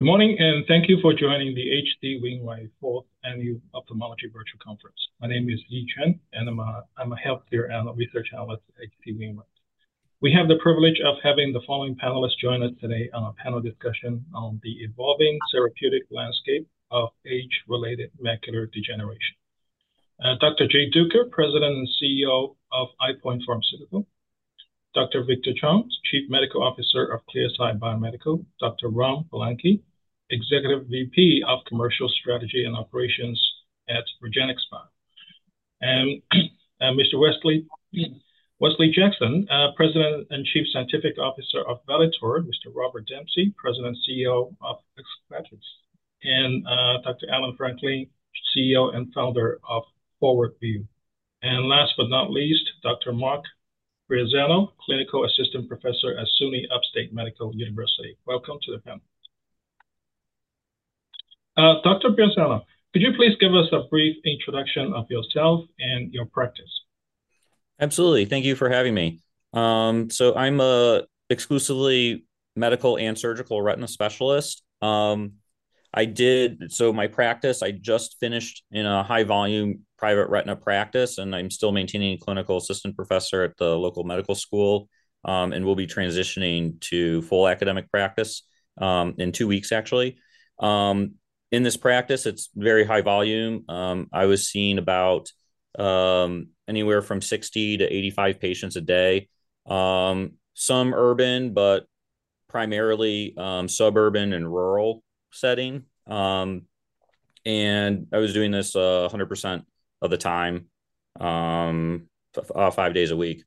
Good morning, and thank you for joining the H.C. Wainwright 4th Annual Ophthalmology Virtual Conference. My name is Yi Chen, and I'm a healthcare research analyst at H.C. Wainwright. We have the privilege of having the following panelists join us today on our panel discussion on the evolving therapeutic landscape of age-related macular degeneration. Dr. Jay Duker, President and CEO of EyePoint Pharmaceuticals; Dr. Victor Chong, Chief Medical Officer of Clearside Biomedical; Dr. Ram Palanki, Executive Vice President of Commercial Strategy and Operations at REGENXBIO. And Mr. Wesley Jackson, President and Chief Scientific Officer of Valitor, Inc.; Mr. Robert Dempsey, President and CEO of AsclepiX Therapeutics; and Dr. Alan Franklin, CEO and founder of ForwardVue Pharma. And last but not least, Dr. Mark Breazzano, Clinical Assistant Professor at SUNY Upstate Medical University. Welcome to the panel. Dr. Breazzano, could you please give us a brief introduction of yourself and your practice? Absolutely. Thank you for having me. So I'm an exclusively medical and surgical retina specialist. So my practice, I just finished in a high-volume private retina practice, and I'm still maintaining a clinical assistant professor at the local medical school, and will be transitioning to full academic practice, in two weeks, actually. In this practice, it's very high volume. I was seeing about, anywhere from 60-85 patients a day. Some urban, but primarily, suburban and rural setting. And I was doing this, 100% of the time, 5 days a week.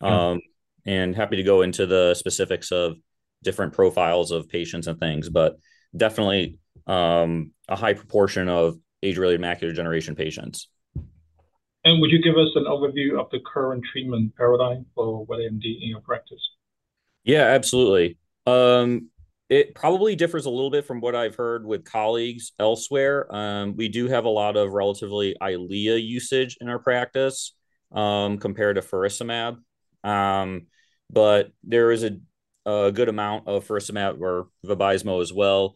And happy to go into the specifics of different profiles of patients and things, but definitely, a high proportion of age-related macular degeneration patients. Would you give us an overview of the current treatment paradigm for wet AMD in your practice? Yeah, absolutely. It probably differs a little bit from what I've heard with colleagues elsewhere. We do have a lot of relatively Eylea usage in our practice, compared to faricimab. But there is a good amount of faricimab or Vabysmo as well.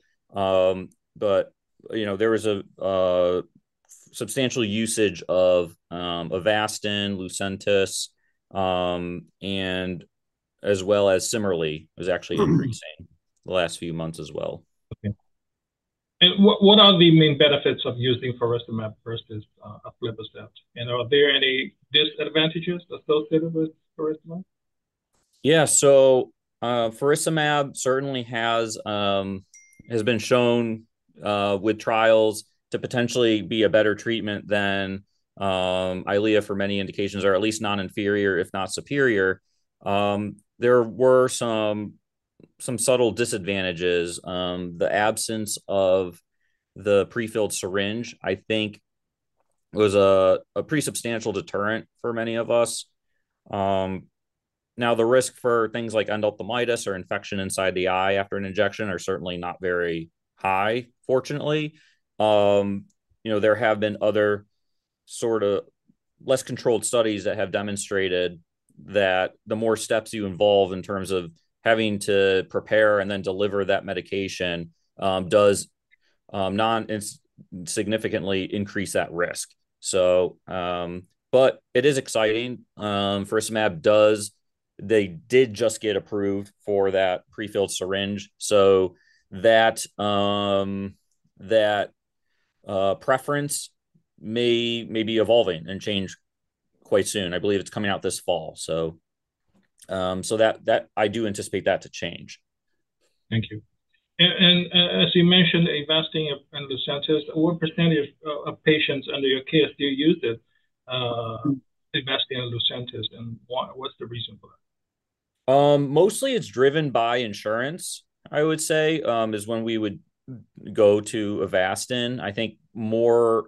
But, you know, there is a substantial usage of Avastin, Lucentis, and as well as Cimerli, is actually increasing the last few months as well. Okay. And what are the main benefits of using faricimab versus aflibercept, and are there any disadvantages associated with faricimab? Yeah. So, faricimab certainly has been shown with trials to potentially be a better treatment than Eylea for many indications, or at least non-inferior, if not superior. There were some subtle disadvantages. The absence of the prefilled syringe, I think, was a pretty substantial deterrent for many of us. Now, the risk for things like endophthalmitis or infection inside the eye after an injection are certainly not very high, fortunately. You know, there have been other sort of less controlled studies that have demonstrated that the more steps you involve in terms of having to prepare and then deliver that medication does not significantly increase that risk. So, but it is exciting. faricimab, they did just get approved for that prefilled syringe, so that preference may be evolving and change quite soon. I believe it's coming out this fall. So, that I do anticipate that to change. Thank you. As you mentioned, Avastin and Lucentis, what percentage of patients under your care still use it? Mm... Avastin and Lucentis, and what's the reason for that? Mostly it's driven by insurance, I would say, is when we would go to Avastin. I think more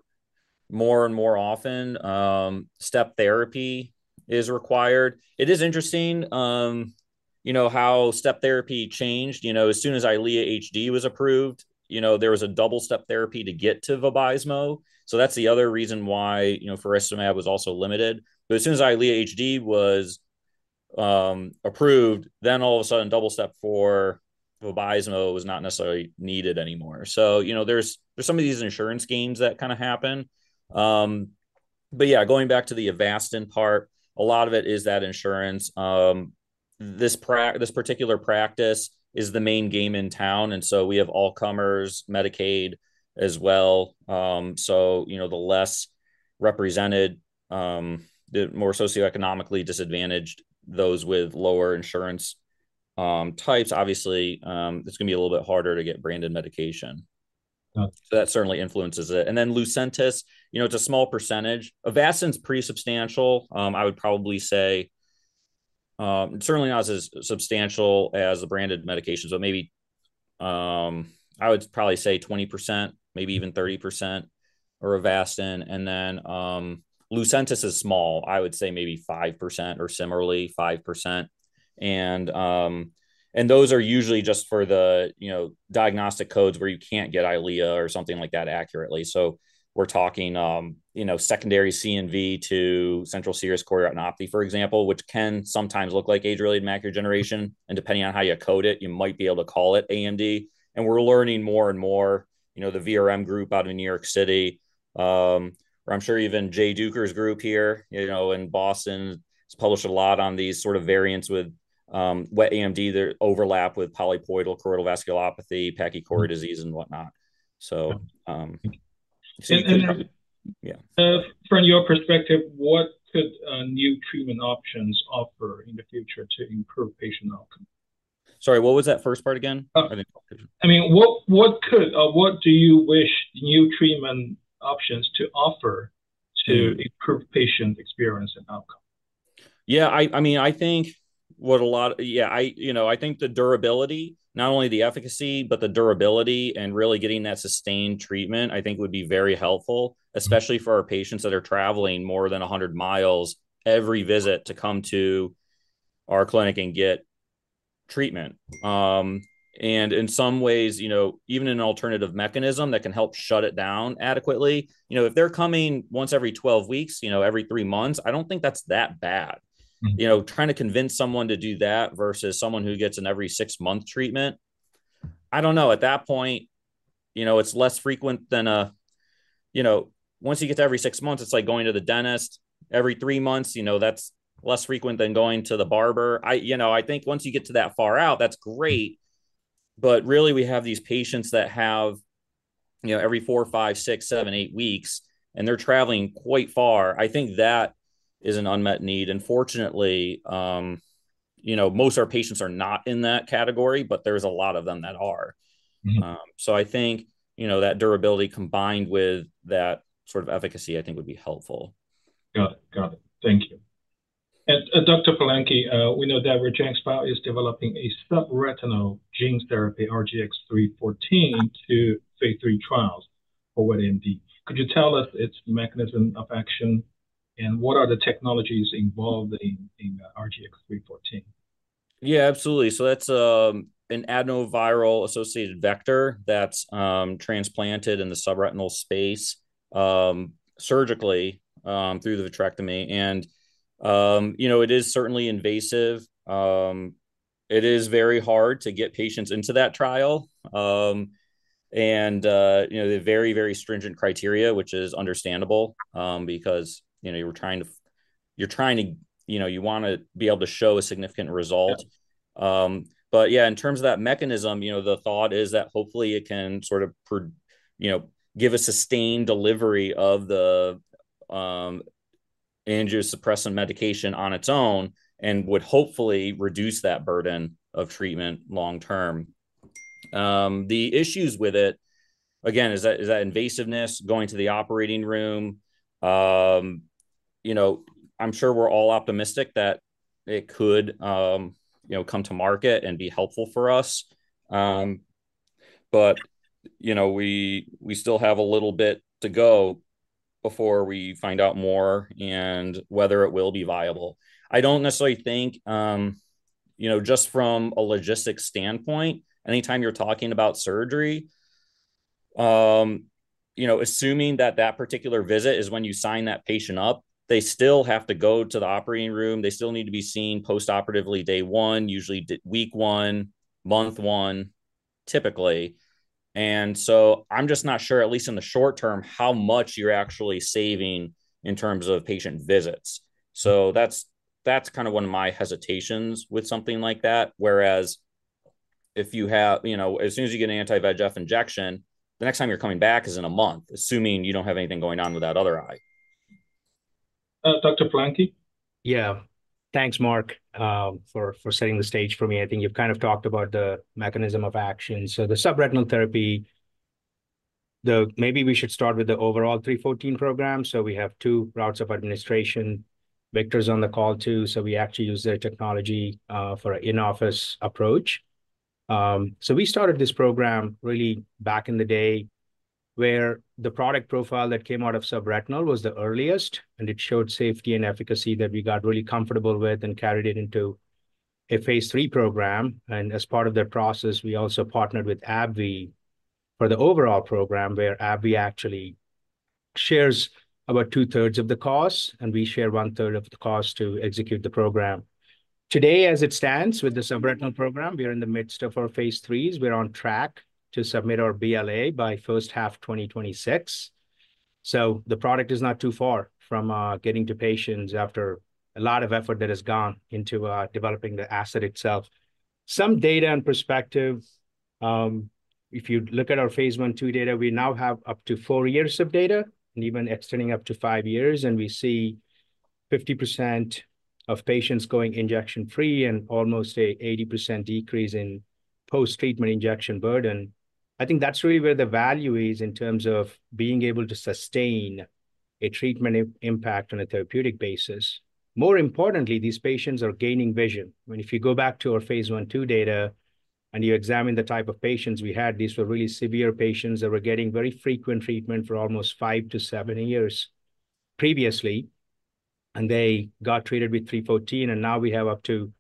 and more often, step therapy is required. It is interesting, you know, how step therapy changed. You know, as soon as Eylea HD was approved, you know, there was a double-step therapy to get to Vabysmo. So that's the other reason why, you know, faricimab was also limited. But as soon as Eylea HD was approved, then all of a sudden, double step for Vabysmo was not necessarily needed anymore. So, you know, there's some of these insurance schemes that kind of happen. But yeah, going back to the Avastin part, a lot of it is that insurance. This particular practice is the main game in town, and so we have all comers, Medicaid as well. So, you know, the less represented, the more socioeconomically disadvantaged, those with lower insurance types, obviously, it's going to be a little bit harder to get branded medication. Uh. So that certainly influences it. And then Lucentis, you know, it's a small percentage. Avastin's pretty substantial. I would probably say, certainly not as substantial as the branded medication, so maybe, I would probably say 20%, maybe even 30% are Avastin. And then, Lucentis is small. I would say maybe 5% or similarly 5%. And those are usually just for the, you know, diagnostic codes where you can't get Eylea or something like that accurately. So we're talking, you know, secondary CNV to central serous choroidopathy, for example, which can sometimes look like age-related macular degeneration, and depending on how you code it, you might be able to call it AMD. And we're learning more and more, you know, the VRM group out in New York City... I'm sure even Jay Duker's group here, you know, in Boston, has published a lot on these sort of variants with wet AMD. They overlap with polypoidal choroidal vasculopathy, pachychoroid disease, and whatnot. So, yeah. From your perspective, what could new treatment options offer in the future to improve patient outcome? Sorry, what was that first part again? I mean, what do you wish new treatment options to offer to- Mm... improve patient experience and outcome? Yeah, I mean, yeah, you know, I think the durability, not only the efficacy, but the durability and really getting that sustained treatment, I think would be very helpful, especially for our patients that are traveling more than 100 miles every visit to come to our clinic and get treatment. In some ways, you know, even an alternative mechanism that can help shut it down adequately. You know, if they're coming once every 12 weeks, you know, every three months, I don't think that's that bad. Mm. You know, trying to convince someone to do that versus someone who gets an every 6-month treatment, I don't know. At that point, you know, it's less frequent than a... You know, once you get to every six months, it's like going to the dentist. Every 3 months, you know, that's less frequent than going to the barber. You know, I think once you get to that far out, that's great. But really, we have these patients that have, you know, every four, five, six, seven, eight weeks, and they're traveling quite far. I think that is an unmet need. And fortunately, you know, most of our patients are not in that category, but there's a lot of them that are. Mm-hmm. I think, you know, that durability combined with that sort of efficacy, I think, would be helpful. Got it. Got it. Thank you. And, Dr. Palanki, we know that REGENXBIO is developing a subretinal gene therapy, RGX-314, to phase III trials for wet AMD. Could you tell us its mechanism of action, and what are the technologies involved in RGX-314? Yeah, absolutely. So that's an adeno-associated vector that's transplanted in the subretinal space surgically through the vitrectomy. And you know, it is certainly invasive. It is very hard to get patients into that trial. And you know, they're very, very stringent criteria, which is understandable because you know, you're trying to-- you know, you want to be able to show a significant result. Yeah. But yeah, in terms of that mechanism, you know, the thought is that hopefully it can sort of you know, give a sustained delivery of the angiosuppressant medication on its own and would hopefully reduce that burden of treatment long term. The issues with it, again, is that invasiveness, going to the operating room. You know, I'm sure we're all optimistic that it could, you know, come to market and be helpful for us. But, you know, we still have a little bit to go before we find out more and whether it will be viable. I don't necessarily think, you know, just from a logistics standpoint, anytime you're talking about surgery, you know, assuming that that particular visit is when you sign that patient up, they still have to go to the operating room. They still need to be seen post-operatively day one, usually week one, month one, typically. And so I'm just not sure, at least in the short term, how much you're actually saving in terms of patient visits. So that's, that's kind of one of my hesitations with something like that. Whereas if you have... You know, as soon as you get an anti-VEGF injection, the next time you're coming back is in a month, assuming you don't have anything going on with that other eye. Dr. Palanki? Yeah. Thanks, Mark, for setting the stage for me. I think you've kind of talked about the mechanism of action. So the subretinal therapy, maybe we should start with the overall 314 program. So we have two routes of administration. Victor's on the call, too, so we actually use their technology for an in-office approach. So we started this program really back in the day, where the product profile that came out of subretinal was the earliest, and it showed safety and efficacy that we got really comfortable with and carried it into a phase III program. And as part of that process, we also partnered with AbbVie for the overall program, where AbbVie actually shares about 2/3 of the cost, and we share one-third of the cost to execute the program. Today, as it stands with the subretinal program, we are in the midst of our phase IIIs. We're on track to submit our BLA by first half 2026. The product is not too far from getting to patients after a lot of effort that has gone into developing the asset itself. Some data and perspective, if you look at our phase II and II data, we now have up to 4 years of data, and even extending up to 5 years, and we see 50% of patients going injection-free and almost an 80% decrease in post-treatment injection burden. I think that's really where the value is in terms of being able to sustain a treatment impact on a therapeutic basis. More importantly, these patients are gaining vision. I mean, if you go back to our phase I and phase II data and you examine the type of patients we had, these were really severe patients that were getting very frequent treatment for almost 5-7 years previously, and they got treated with 314, and now we have up to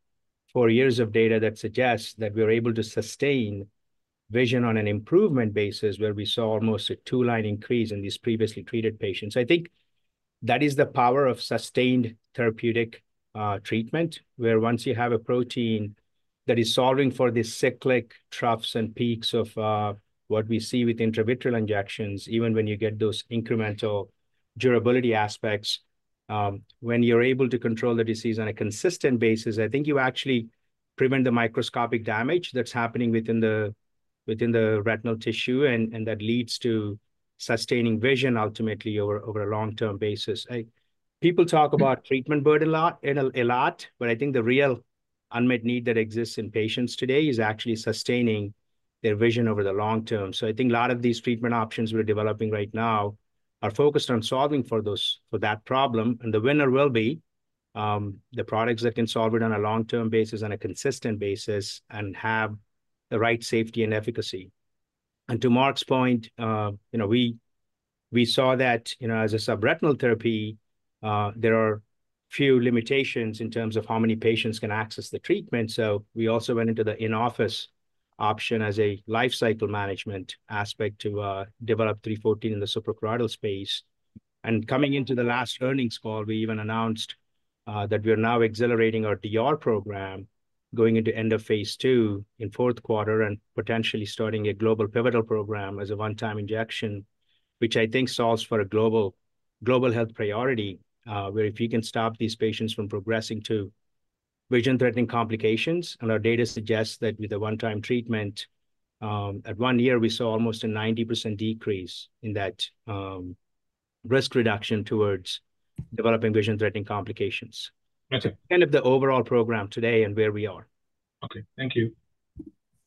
4 years of data that suggests that we're able to sustain vision on an improvement basis, where we saw almost a 2-line increase in these previously treated patients. I think... That is the power of sustained therapeutic treatment, where once you have a protein that is solving for the cyclic troughs and peaks of what we see with intravitreal injections, even when you get those incremental durability aspects, when you're able to control the disease on a consistent basis, I think you actually prevent the microscopic damage that's happening within the retinal tissue, and that leads to sustaining vision ultimately over a long-term basis. People talk about treatment burden a lot, but I think the real unmet need that exists in patients today is actually sustaining their vision over the long term. So I think a lot of these treatment options we're developing right now are focused on solving for that problem, and the winner will be the products that can solve it on a long-term basis, on a consistent basis, and have the right safety and efficacy. And to Mark's point, you know, we saw that, you know, as a subretinal therapy, there are few limitations in terms of how many patients can access the treatment, so we also went into the in-office option as a life cycle management aspect to develop 314 in the suprachoroidal space. And coming into the last earnings call, we even announced that we are now accelerating our DR program, going into end of phase II in fourth quarter and potentially starting a global pivotal program as a one-time injection, which I think solves for a global, global health priority. Where if you can stop these patients from progressing to vision-threatening complications, and our data suggests that with a one-time treatment, at 1 year we saw almost a 90% decrease in that, risk reduction towards developing vision-threatening complications. Okay. Kind of the overall program today and where we are. Okay, thank you.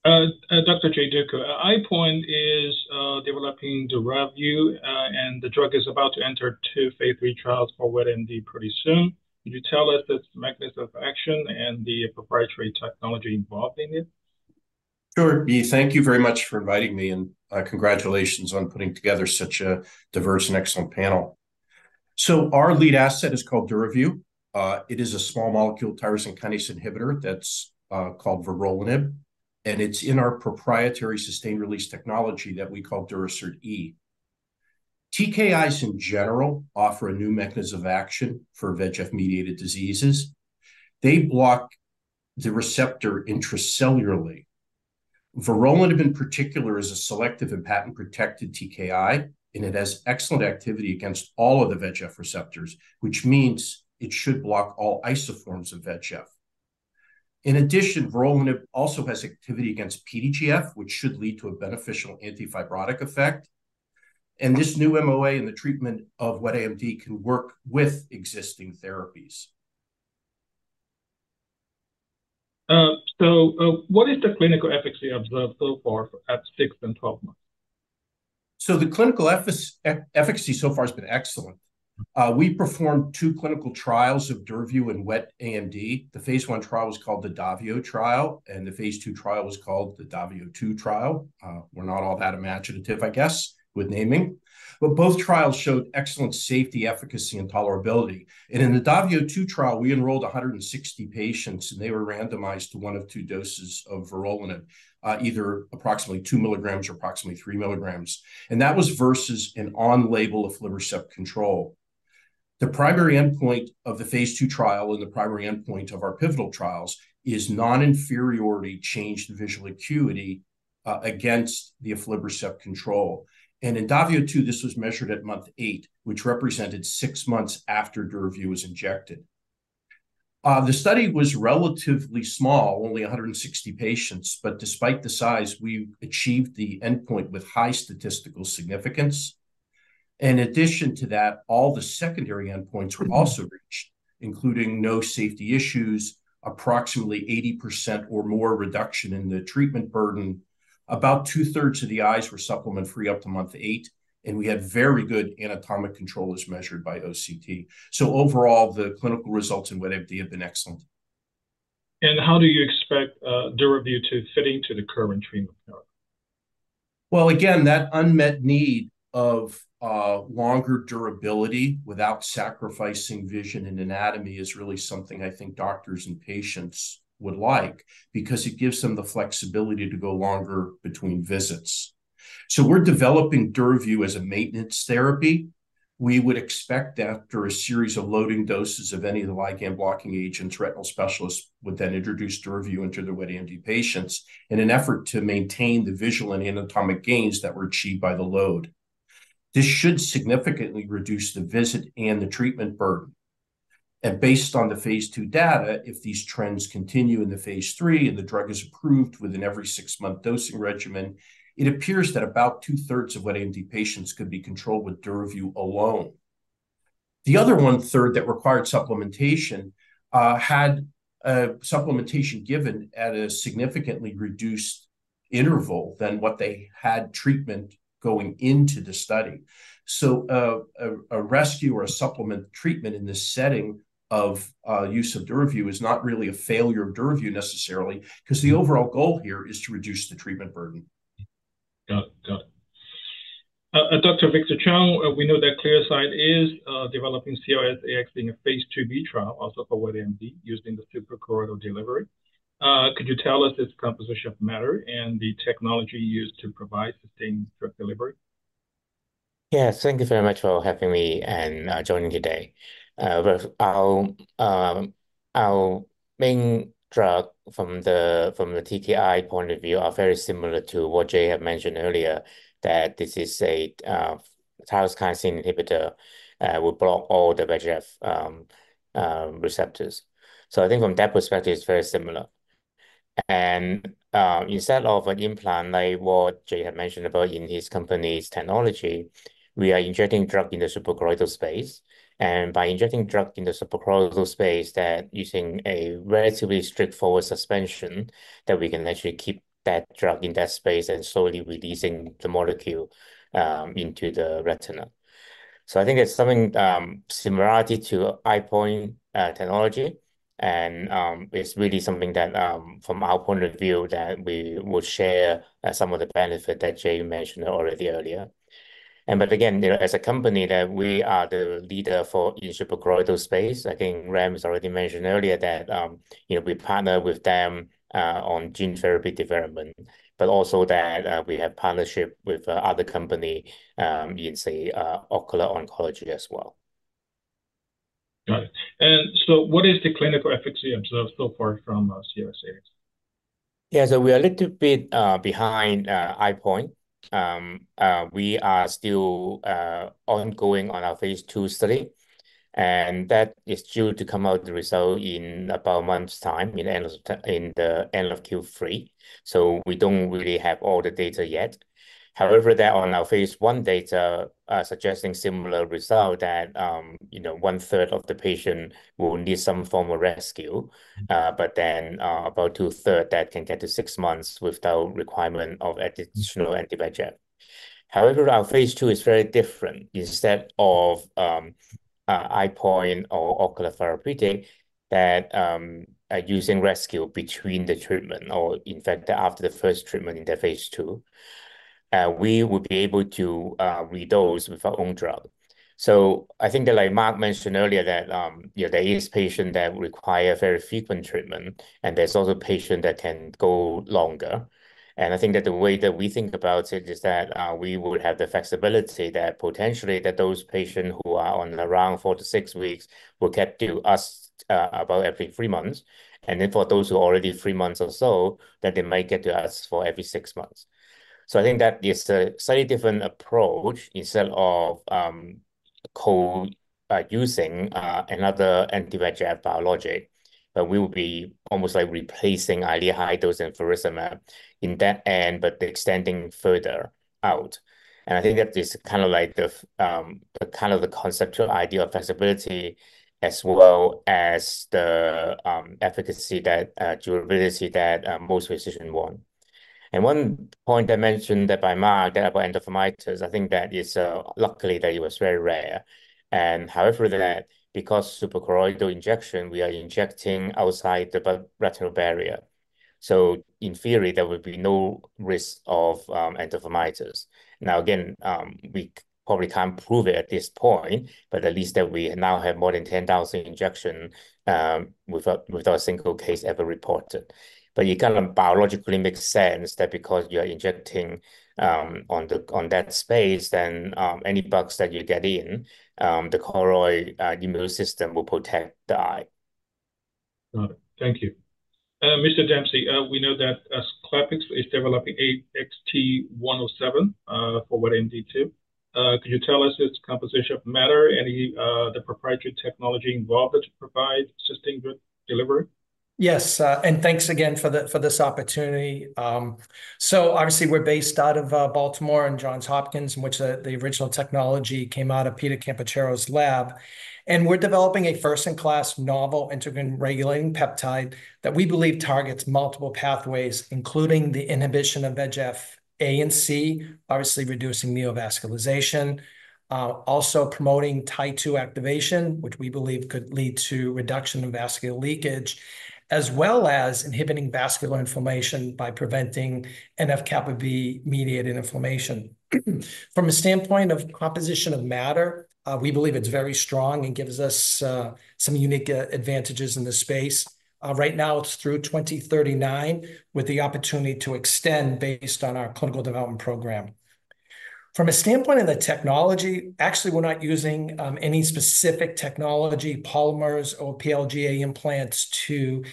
Dr. Jay Duker, EyePoint is developing DURAVYU, and the drug is about to enter two phase III trials for wet AMD pretty soon. Could you tell us its mechanism of action and the proprietary technology involved in it? Sure. Yeah, thank you very much for inviting me, and, congratulations on putting together such a diverse and excellent panel. So our lead asset is called DURAVYU. It is a small molecule tyrosine kinase inhibitor that's called vorolanib, and it's in our proprietary sustained release technology that we call Durasert E. TKIs in general offer a new mechanism of action for VEGF-mediated diseases. They block the receptor intracellularly. Vorolanib in particular is a selective and patent-protected TKI, and it has excellent activity against all of the VEGF receptors, which means it should block all isoforms of VEGF. In addition, vorolanib also has activity against PDGF, which should lead to a beneficial anti-fibrotic effect, and this new MOA in the treatment of wet AMD can work with existing therapies. So, what is the clinical efficacy observed so far at 6 and 12 months? So the clinical efficacy so far has been excellent. We performed two clinical trials of DURAVYU and wet AMD. The phase I trial was called the DAVIO trial, and the phase II trial was called the DAVIO 2 trial. We're not all that imaginative, I guess, with naming. Both trials showed excellent safety, efficacy, and tolerability. And in the DAVIO 2 trial, we enrolled 160 patients, and they were randomized to one of two doses of vorolanib, either approximately 2 milligrams or approximately 3 milligrams, and that was versus an on-label aflibercept control. The primary endpoint of the phase II trial and the primary endpoint of our pivotal trials is non-inferiority change in visual acuity, against the aflibercept control. And in DAVIO 2, this was measured at month 8, which represented six months after DURAVYU was injected. The study was relatively small, only 160 patients, but despite the size, we achieved the endpoint with high statistical significance. In addition to that, all the secondary endpoints were also reached, including no safety issues, approximately 80% or more reduction in the treatment burden. About 2/3 of the eyes were supplement-free up to month 8, and we had very good anatomic control as measured by OCT. Overall, the clinical results in wet AMD have been excellent. How do you expect DURAVYU to fit into the current treatment plan? Well, again, that unmet need of longer durability without sacrificing vision and anatomy is really something I think doctors and patients would like, because it gives them the flexibility to go longer between visits. So we're develoPing DURAVYU as a maintenance therapy. We would expect after a series of loading doses of any of the ligand blocking agents, retinal specialists would then introduce DURAVYU into their wet AMD patients in an effort to maintain the visual and anatomic gains that were achieved by the load. This should significantly reduce the visit and the treatment burden. Based on the phase II data, if these trends continue in the phase III and the drug is approved within every 6-month dosing regimen, it appears that about 2/3 of wet AMD patients could be controlled with DURAVYU alone. The other one-third that required supplementation had supplementation given at a significantly reduced interval than what they had treatment going into the study. So, a rescue or a supplement treatment in this setting of use of DURAVYU is not really a failure of DURAVYU necessarily, 'cause the overall goal here is to reduce the treatment burden. Got it. Got it. Dr. Victor Chong, we know that Clearside is developing CLS-AX in a phase IIb trial, also for wet AMD, using the suprachoroidal delivery. Could you tell us its composition of matter and the technology used to provide sustained drug delivery? Yes, thank you very much for having me and joining today. Well, our main drug from the TKI point of view are very similar to what Jay had mentioned earlier, that this is a tyrosine kinase inhibitor that will block all the VEGF receptors. So I think from that perspective, it's very similar. And instead of an implant, like what Jay had mentioned about in his company's technology, we are injecting drug in the suprachoroidal space. And by injecting drug in the suprachoroidal space, that using a relatively straightforward suspension, that we can actually keep that drug in that space and slowly releasing the molecule into the retina. So I think it's something, similarity to EyePoint, technology, and, it's really something that, from our point of view, that we would share, some of the benefit that Jay mentioned already earlier. But again, you know, as a company that we are the leader for in suprachoroidal space, I think Ram has already mentioned earlier that, you know, we partner with them, on gene therapy development, but also that, we have partnership with, other company, in say, ocular oncology as well. Got it. And so what is the clinical efficacy observed so far from CLS-AX? Yeah, so we are a little bit behind EyePoint. We are still ongoing on our phase II study, and that is due to come out the result in about a month's time, in the end of Q3, so we don't really have all the data yet. However, that on our phase I data suggesting similar result that, you know, one-third of the patient will need some form of rescue, but then about 2/3 that can get to six months without requirement of additional anti-VEGF. However, our phase II is very different. Instead of EyePoint or Ocular Therapeutix that are using rescue between the treatment or in fact, after the first treatment in the phase II, we will be able to redose with our own drug. So I think that, like Mark mentioned earlier, that, you know, there is patient that require very frequent treatment, and there's also patient that can go longer. And I think that the way that we think about it is that, we would have the flexibility that potentially that those patient who are on around 4-6 weeks will get to us, about every three months. And then for those who are already three months or so, that they may get to us for every six months. So I think that is a slightly different approach. Instead of using another anti-VEGF biologic, but we will be almost, like, replacing Eylea high dose and faricimab in that end, but extending further out. I think that is kind of like the conceptual idea of flexibility as well as the efficacy, that durability that most physician want. One point I mentioned that by Mark, about endophthalmitis, I think that is, luckily, that it was very rare. However, that because suprachoroidal injection, we are injecting outside the blood-retinal barrier, so in theory, there would be no risk of endophthalmitis. Now, again, we probably can't prove it at this point, but at least that we now have more than 10,000 injection without a single case ever reported. But it kind of biologically makes sense that because you are injecting on that space, then any bugs that you get in the choroid, immune system will protect the eye. Got it. Thank you. Mr. Dempsey, we know that AsclepiX is developing AXT107 for wet AMD too. Could you tell us its composition of matter, any, the proprietary technology involved to provide sustained drug delivery? Yes, and thanks again for this opportunity. So obviously we're based out of Baltimore and Johns Hopkins, in which the original technology came out of Peter Campochiaro's lab. And we're developing a first-in-class novel integrin regulating peptide that we believe targets multiple pathways, including the inhibition of VEGF-A and C, obviously reducing neovascularization. Also promoting Tie2 activation, which we believe could lead to reduction in vascular leakage, as well as inhibiting vascular inflammation by preventing NF-kappa B-mediated inflammation. From a standpoint of composition of matter, we believe it's very strong and gives us some unique advantages in this space. Right now, it's through 2039, with the opportunity to extend based on our clinical development program. From a standpoint of the technology, actually, we're not using any specific technology, polymers or PLGA implants to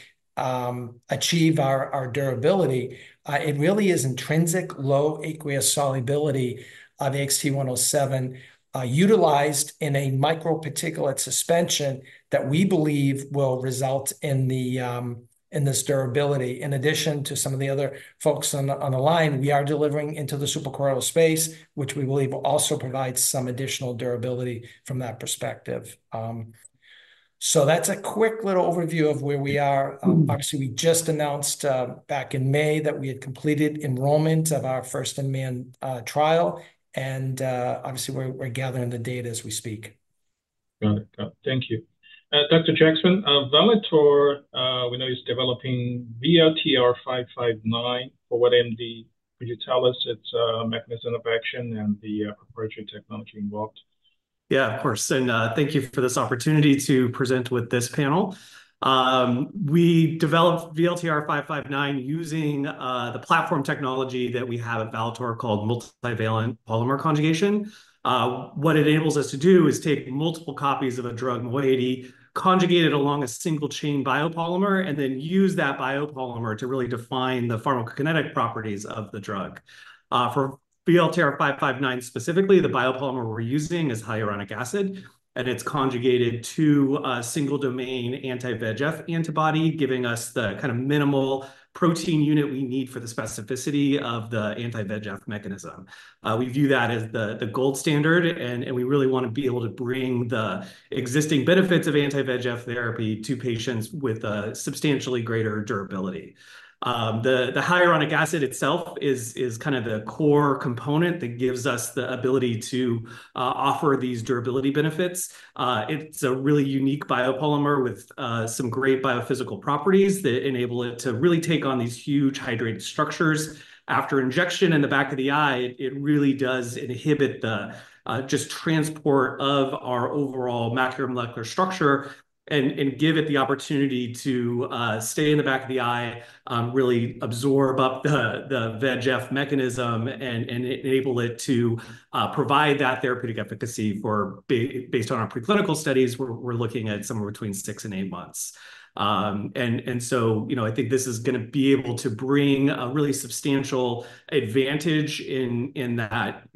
achieve our durability. It really is intrinsic low aqueous solubility of AXT107 utilized in a micro particulate suspension that we believe will result in the in this durability. In addition to some of the other folks on the line, we are delivering into the suprachoroidal space, which we believe will also provide some additional durability from that perspective. So that's a quick little overview of where we are. Obviously, we just announced back in May that we had completed enrollment of our first-in-man trial, and obviously, we're gathering the data as we speak. Got it. Thank you. Dr. Jackson, Valitor, we know, is developing VLTR-559 for wet AMD. Could you tell us its mechanism of action and the proprietary technology involved?... Yeah, of course, and thank you for this opportunity to present with this panel. We developed VLTR-559 using the platform technology that we have at Valitor called multivalent polymer conjugation. What it enables us to do is take multiple copies of a drug modality, conjugate it along a single-chain biopolymer, and then use that biopolymer to really define the pharmacokinetic properties of the drug. For VLTR-559 specifically, the biopolymer we're using is hyaluronic acid, and it's conjugated to a single-domain anti-VEGF antibody, giving us the kind of minimal protein unit we need for the specificity of the anti-VEGF mechanism. We view that as the gold standard, and we really want to be able to bring the existing benefits of anti-VEGF therapy to patients with a substantially greater durability. The hyaluronic acid itself is kind of the core component that gives us the ability to offer these durability benefits. It's a really unique biopolymer with some great biophysical properties that enable it to really take on these huge hydrated structures. After injection in the back of the eye, it really does inhibit the just transport of our overall macular molecular structure and give it the opportunity to stay in the back of the eye, really absorb up the VEGF mechanism and enable it to provide that therapeutic efficacy based on our preclinical studies, we're looking at somewhere between six and eight months. So, you know, I think this is going to be able to bring a really substantial advantage in that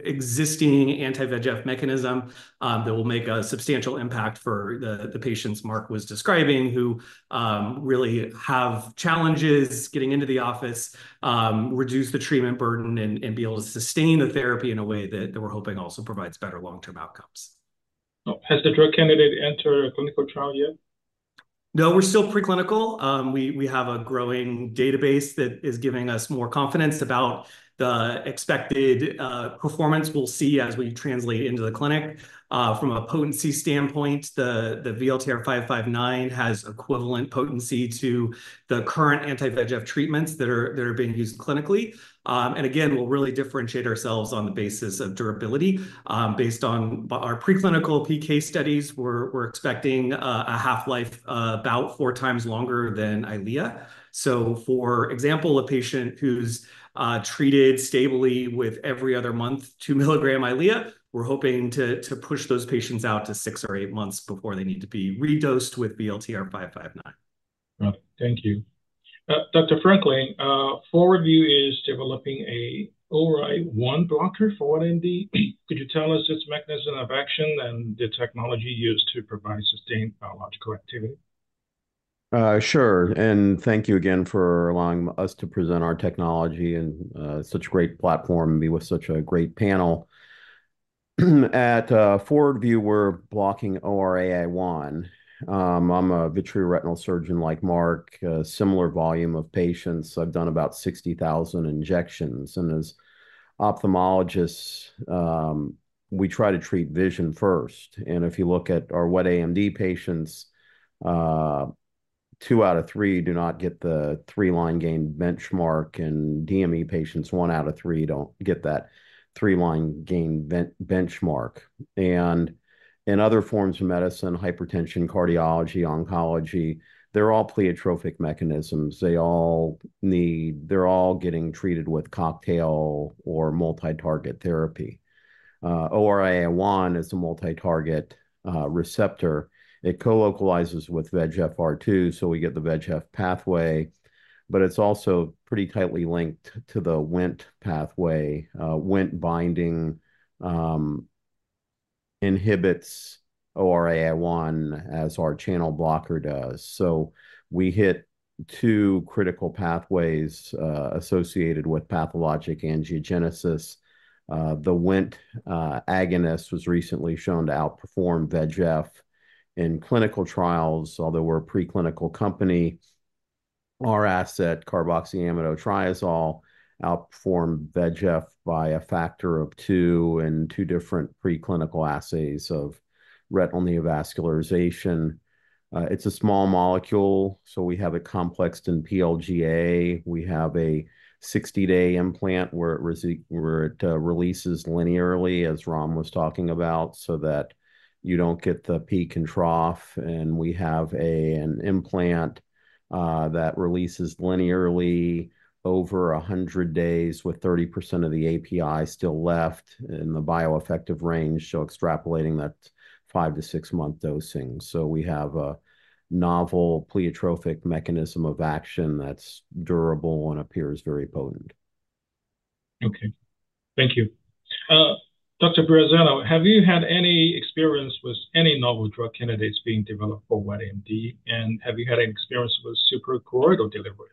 existing anti-VEGF mechanism that will make a substantial impact for the patients Mark was describing, who really have challenges getting into the office, reduce the treatment burden and be able to sustain the therapy in a way that we're hoping also provides better long-term outcomes. Oh, has the drug candidate entered a clinical trial yet? No, we're still preclinical. We have a growing database that is giving us more confidence about the expected performance we'll see as we translate into the clinic. From a potency standpoint, the VLTR-559 has equivalent potency to the current anti-VEGF treatments that are being used clinically. And again, we'll really differentiate ourselves on the basis of durability. Based on our preclinical PK studies, we're expecting a half-life about 4x longer than Eylea. So, for example, a patient who's treated stably with every other month 2 mg Eylea, we're hoping to push those patients out to six or eight months before they need to be redosed with VLTR-559. Right. Thank you. Dr. Franklin, ForwardVue is developing a ORAI1 blocker for AMD. Could you tell us its mechanism of action and the technology used to provide sustained biological activity? Sure. And thank you again for allowing us to present our technology in, such a great platform and be with such a great panel. At ForwardVue, we're blocking ORAI1. I'm a vitreoretinal surgeon like Mark, a similar volume of patients. I've done about 60,000 injections, and as ophthalmologists, we try to treat vision first. And if you look at our wet AMD patients, two out of three do not get the three-line gain benchmark, and DME patients, one out of three don't get that three-line gain benchmark. And in other forms of medicine, hypertension, cardiology, oncology, they're all pleiotropic mechanisms. They're all getting treated with cocktail or multi-target therapy. ORAI1 is a multi-target receptor. It co-localizes with VEGF-R2, so we get the VEGF pathway, but it's also pretty tightly linked to the Wnt pathway. Wnt binding inhibits ORAI1, as our channel blocker does. So we hit two critical pathways associated with pathologic angiogenesis. The Wnt agonist was recently shown to outperform VEGF in clinical trials, although we're a preclinical company. Our asset, carboxyamidotriazole, outperformed VEGF by a factor of two in two different preclinical assays of retinal neovascularization. It's a small molecule, so we have it complexed in PLGA. We have a 60-day implant where it releases linearly, as Ram was talking about, so that you don't get the peak and trough. We have an implant that releases linearly over 100 days, with 30% of the API still left in the bioeffective range, so extrapolating that five to six month dosing. So we have a novel pleiotropic mechanism of action that's durable and appears very potent. Okay. Thank you. Dr. Breazzano, have you had any experience with any novel drug candidates being developed for wet AMD, and have you had any experience with suprachoroidal delivery?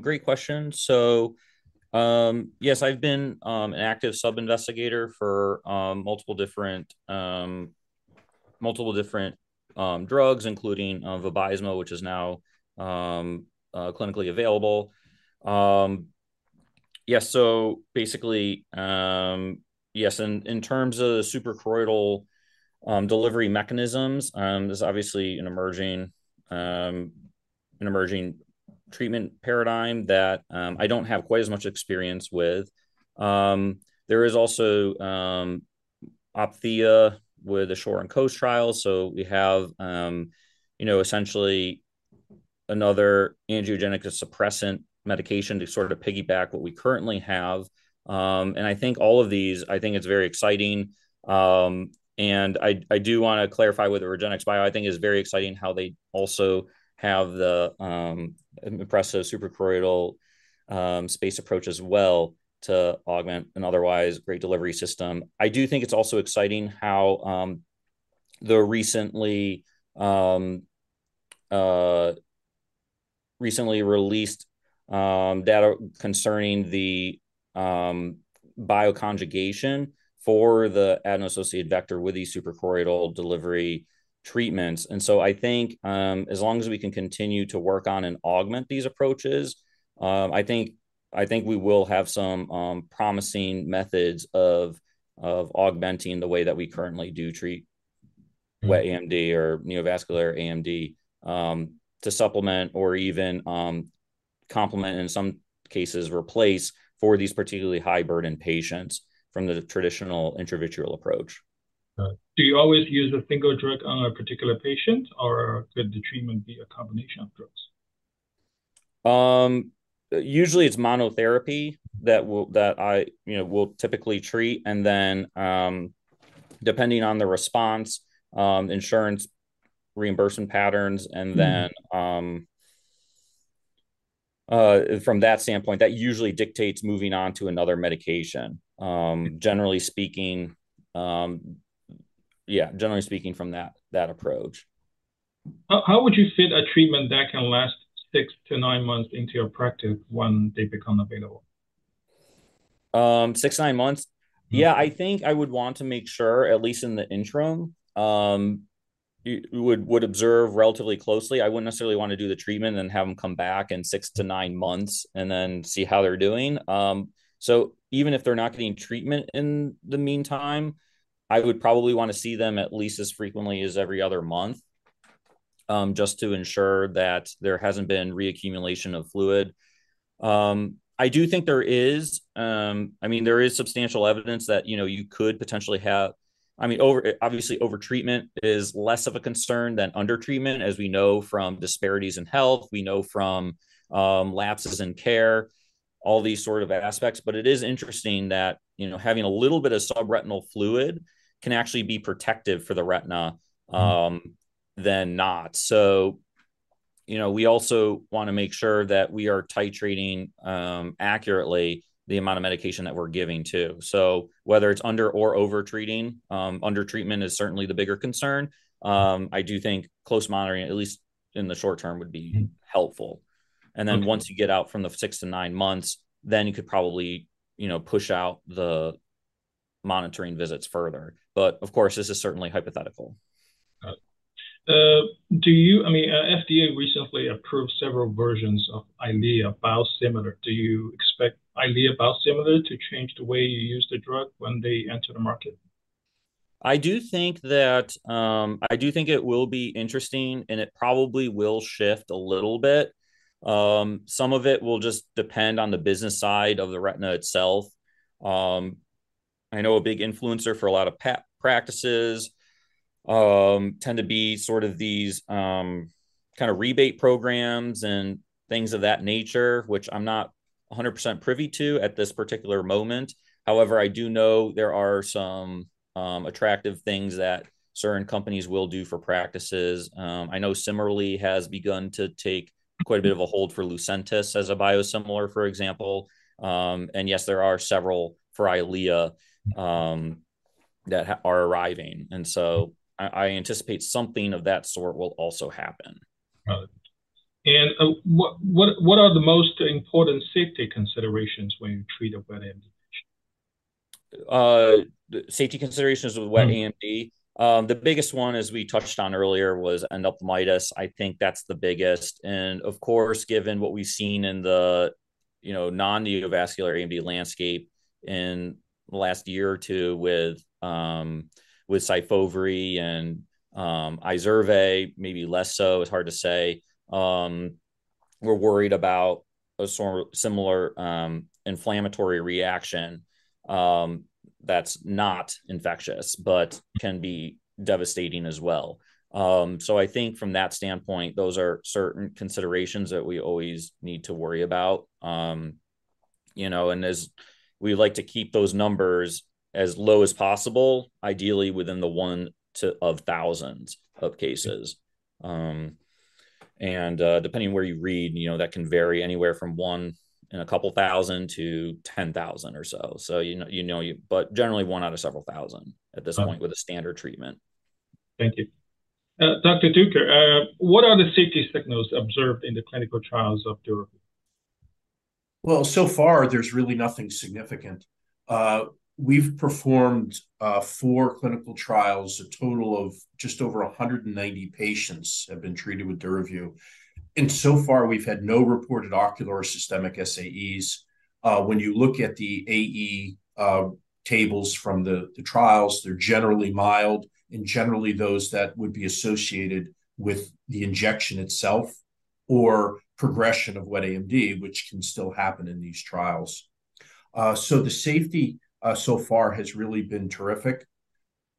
Great question. So, yes, I've been an active sub-investigator for multiple different drugs, including Vabysmo, which is now clinically available. Yes, so basically, yes, in terms of suprachoroidal delivery mechanisms, there's obviously an emerging treatment paradigm that I don't have quite as much experience with. There is also Opthea with the ShORe and COAST trials, so we have, you know, essentially another angiogenic suppressant medication to sort of piggyback what we currently have. And I do wanna clarify with the REGENXBIO, I think is very exciting how they also have the impressive suprachoroidal space approach as well to augment an otherwise great delivery system. I do think it's also exciting how the recently released data concerning the bioconjugation for the adeno-associated vector with these suprachoroidal delivery treatments. And so I think, as long as we can continue to work on and augment these approaches, I think we will have some promising methods of augmenting the way that we currently do treat wet AMD or neovascular AMD, to supplement or even complement, in some cases, replace for these particularly high-burden patients from the traditional intravitreal approach. Do you always use a single drug on a particular patient, or could the treatment be a combination of drugs? Usually it's monotherapy that I, you know, will typically treat. And then, depending on the response, insurance reimbursement patterns- Mm-hmm.... and then, from that standpoint, that usually dictates moving on to another medication. Generally speaking, yeah, generally speaking, from that, that approach. How would you fit a treatment that can last six to nine months into your practice when they become available? six to nine months? Mm-hmm. Yeah, I think I would want to make sure, at least in the interim, you would observe relatively closely. I wouldn't necessarily want to do the treatment and have them come back in six to nine months, and then see how they're doing. So even if they're not getting treatment in the meantime, I would probably want to see them at least as frequently as every other month, just to ensure that there hasn't been reaccumulation of fluid. I do think there is... I mean, there is substantial evidence that, you know, you could potentially have—I mean, obviously, over-treatment is less of a concern than under-treatment, as we know from disparities in health, we know from lapses in care, all these sort of aspects. It is interesting that, you know, having a little bit of subretinal fluid can actually be protective for the retina- Mm... than not. So, you know, we also wanna make sure that we are titrating, accurately the amount of medication that we're giving, too. So whether it's under or over-treating, under-treatment is certainly the bigger concern. I do think close monitoring, at least in the short term, would be- Mm... helpful. Okay. Then once you get out from the six-nine months, then you could probably, you know, push out the monitoring visits further. Of course, this is certainly hypothetical. I mean, FDA recently approved several versions of Eylea biosimilar. Do you expect Eylea biosimilar to change the way you use the drug when they enter the market? I do think that, I do think it will be interesting, and it probably will shift a little bit. Some of it will just depend on the business side of the retina itself. I know a big influencer for a lot of practices tend to be sort of these kind of rebate programs and things of that nature, which I'm not 100% privy to at this particular moment. However, I do know there are some attractive things that certain companies will do for practices. I know Cimerli has begun to take quite a bit of a hold for Lucentis as a biosimilar, for example. And yes, there are several for Eylea that are arriving, and so I anticipate something of that sort will also happen. Right. And, what are the most important safety considerations when you treat a wet AMD patient? The safety considerations with wet AMD- Mm.... the biggest one, as we touched on earlier, was endophthalmitis. I think that's the biggest. And of course, given what we've seen in the, you know, non-neovascular AMD landscape in the last year or two with Syfovre and Izervay, maybe less so, it's hard to say, we're worried about a sort of similar, inflammatory reaction, that's not infectious, but can be devastating as well. So I think from that standpoint, those are certain considerations that we always need to worry about. You know, and as we like to keep those numbers as low as possible, ideally within the one to-- of thousands of cases. And, depending on where you read, you know, that can vary anywhere from one in 2,000 to 10,000 or so. So, you know, you know, but generally, one out of several thousand at this point- Uh... with a standard treatment. Thank you. Dr. Duker, what are the safety signals observed in the clinical trials of DURAVYU? Well, so far, there's really nothing significant. We've performed four clinical trials. A total of just over 190 patients have been treated with DURAVYU, and so far, we've had no reported ocular or systemic SAEs. When you look at the AE tables from the trials, they're generally mild, and generally those that would be associated with the injection itself or progression of wet AMD, which can still happen in these trials. So the safety so far has really been terrific.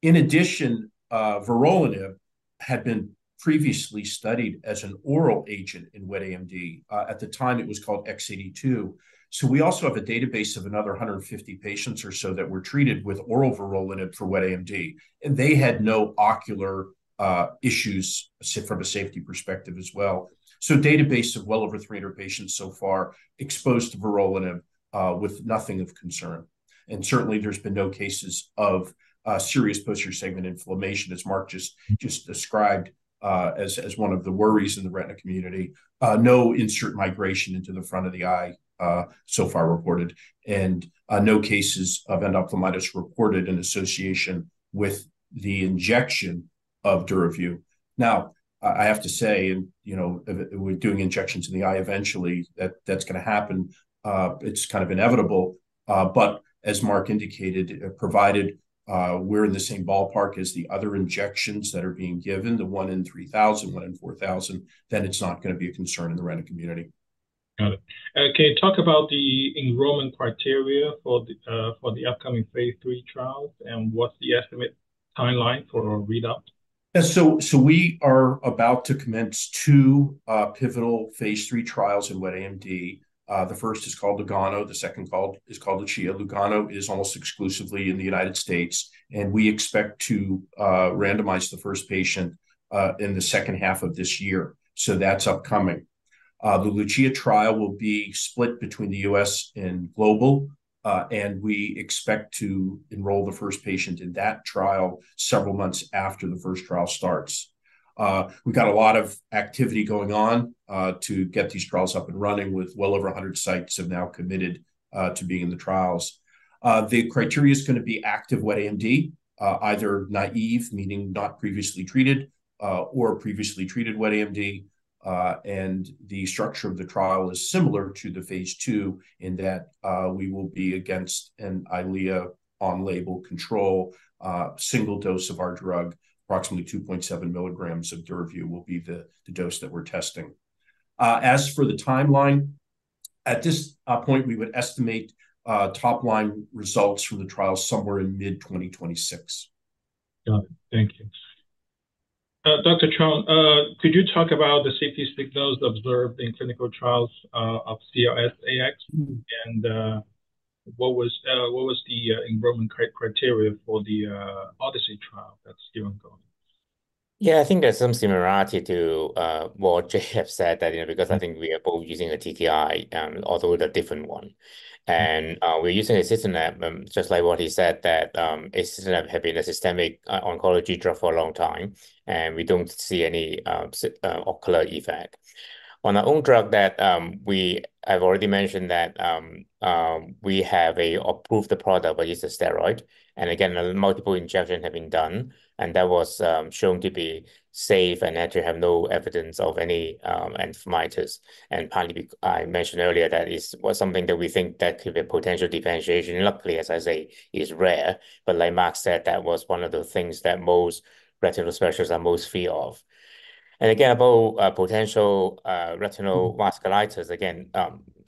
In addition, vorolanib had been previously studied as an oral agent in wet AMD. At the time, it was called X-82. So we also have a database of another 150 patients or so that were treated with oral vorolanib for wet AMD, and they had no ocular issues from a safety perspective as well. Database of well over 300 patients so far exposed to vorolanib, with nothing of concern. Certainly, there's been no cases of serious posterior segment inflammation, as Mark just described, as one of the worries in the retina community. No insert migration into the front of the eye, so far reported, and no cases of endophthalmitis reported in association with the injection of DURAVYU. Now, I have to say, and, you know, if we're doing injections in the eye, eventually that's gonna happen. It's kind of inevitable, but as Mark indicated, provided we're in the same ballpark as the other injections that are being given, the 1 in 3,000, 1 in 4,000, then it's not gonna be a concern in the retina community. Got it. Can you talk about the enrollment criteria for the upcoming phase III trials, and what's the estimate timeline for readout? So we are about to commence two pivotal phase III trials in wet AMD. The first is called Lugano, the second is called Lucia. Lugano is almost exclusively in the United States, and we expect to randomize the first patient in the second half of this year. So that's upcoming. The Lucia trial will be split between the U.S. and global, and we expect to enroll the first patient in that trial several months after the first trial starts. We've got a lot of activity going on to get these trials up and running, with well over 100 sites have now committed to being in the trials. The criteria is gonna be active wet AMD, either naive, meaning not previously treated, or previously treated wet AMD. The structure of the trial is similar to the phase II in that we will be against an Eylea on-label control, single dose of our drug. Approximately 2.7 milligrams of DURAVYU will be the dose that we're testing. As for the timeline, at this point, we would estimate top-line results from the trial somewhere in mid-2026. Got it. Thank you. Dr. Chong, could you talk about the safety signals observed in clinical trials of CLS-AX? And, what was the enrollment criteria for the ODYSSEY trial that's still ongoing? Yeah, I think there's some similarity to what Jay said, that, you know, because I think we are both using the TI, although with a different one. And we're using axitinib, just like what he said, that axitinib have been a systemic oncology drug for a long time, and we don't see any ocular effect. On our own drug that I've already mentioned that we have a approved the product, but it's a steroid. And again, multiple injection have been done, and that was shown to be safe and actually have no evidence of any endophthalmitis. And partly I mentioned earlier that is, was something that we think that could be a potential differentiation. And luckily, as I say, it is rare, but like Mark said, that was one of the things that most retinal specialists are most fear of. And again, about potential retinal vasculitis, again,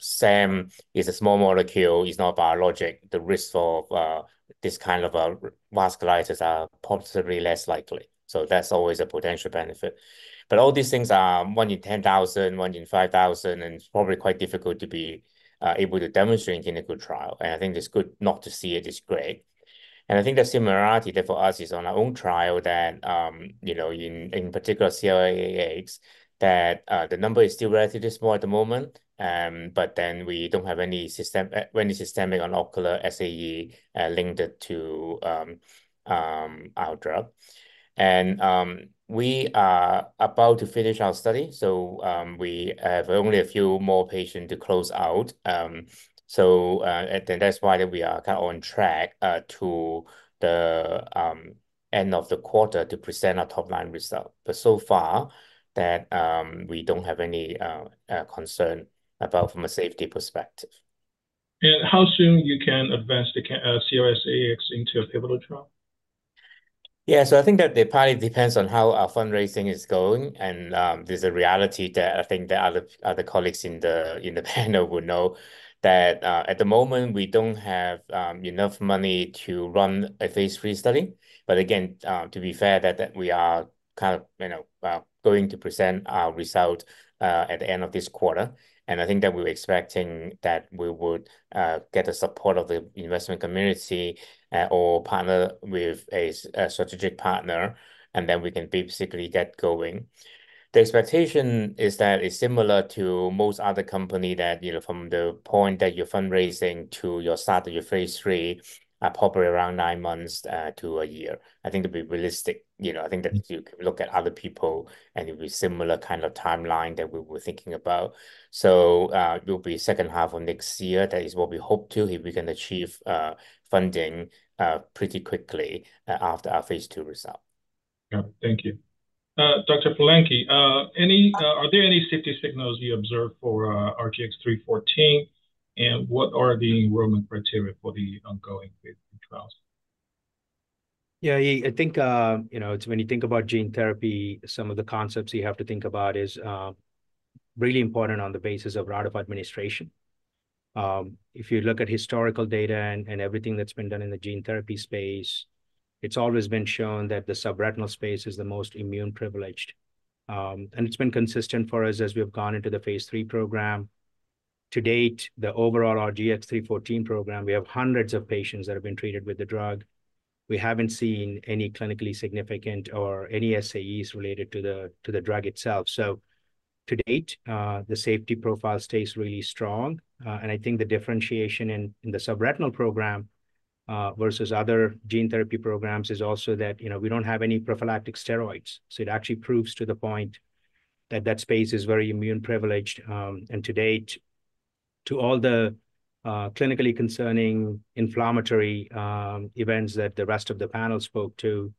SAM is a small molecule, is not biologic. The risk of this kind of vasculitis are possibly less likely, so that's always a potential benefit. But all these things are one in 10,000, one in 5,000, and it's probably quite difficult to be able to demonstrate in a good trial. And I think it's good not to see it is great. I think the similarity there for us is on our own trial that, you know, in particular, CLS-AX, that the number is still relatively small at the moment, but then we don't have any systemic or ocular SAE linked to our drug. And we are about to finish our study, so we have only a few more patients to close out. So, and then that's why we are kind of on track to the end of the quarter to present our top-line result. But so far, we don't have any concern from a safety perspective. How soon can you advance the CLS-AX into a pivotal trial? Yeah. So I think that it probably depends on how our fundraising is going. There's a reality that I think the other colleagues in the panel would know, that at the moment, we don't have enough money to run a phase III study. But again, to be fair, that we are kind of, you know, going to present our result at the end of this quarter. And I think that we're expecting that we would get the support of the investment community or partner with a strategic partner, and then we can basically get going. The expectation is that it's similar to most other company that, you know, from the point that you're fundraising to your start of your phase III, are probably around nine months to a year. I think to be realistic, you know, I think that you can look at other people, and it will be similar kind of timeline that we were thinking about. So, it'll be second half of next year. That is what we hope to, if we can achieve, funding, pretty quickly, after our phase II result.... Yeah. Thank you. Dr. Palanki, are there any safety signals you observed for RGX-314, and what are the enrollment criteria for the ongoing phase three trials? Yeah, I, I think, you know, it's when you think about gene therapy, some of the concepts you have to think about is really important on the basis of route of administration. If you look at historical data and everything that's been done in the gene therapy space, it's always been shown that the subretinal space is the most immune privileged. And it's been consistent for us as we've gone into the phase III program. To date, the overall RGX-314 program, we have hundreds of patients that have been treated with the drug. We haven't seen any clinically significant or any SAEs related to the drug itself. So to date, the safety profile stays really strong. I think the differentiation in the subretinal program versus other gene therapy programs is also that, you know, we don't have any prophylactic steroids. So it actually proves to the point that that space is very immune privileged. And to date, to all the clinically concerning inflammatory events that the rest of the panel spoke to,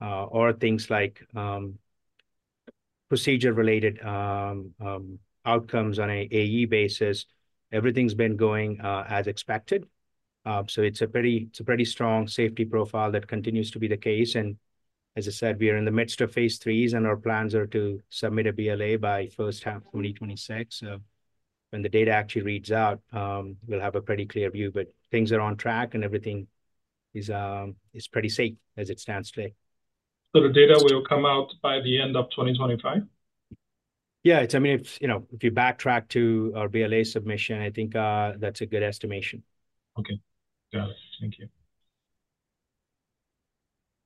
or things like procedure-related outcomes on a AE basis, everything's been going as expected. So it's a pretty strong safety profile that continues to be the case, and as I said, we are in the midst of phase IIIs, and our plans are to submit a BLA by first half 2026. When the data actually reads out, we'll have a pretty clear view, but things are on track, and everything is pretty safe as it stands today. So the data will come out by the end of 2025? Yeah, I mean, it's, you know, if you backtrack to our BLA submission, I think that's a good estimation. Okay. Got it. Thank you.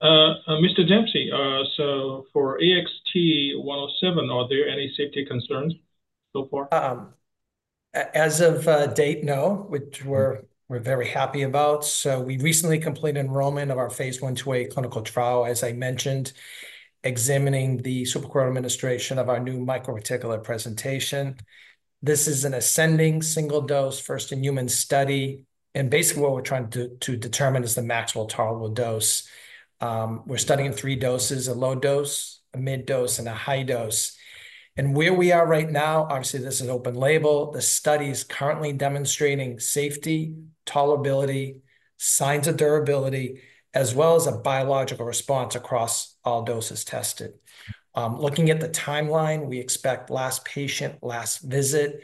Mr. Dempsey, so for AXT-107, are there any safety concerns so far? As of today, which we're very happy about. So we recently completed enrollment of our phase I/2a clinical trial, as I mentioned, examining the subretinal administration of our new microparticulate presentation. This is an ascending single dose, first-in-human study, and basically, what we're trying to determine is the maximal tolerable dose. We're studying three doses, a low dose, a mid dose, and a high dose. And where we are right now, obviously, this is an open-label study. The study is currently demonstrating safety, tolerability, signs of durability, as well as a biological response across all doses tested. Looking at the timeline, we expect last patient, last visit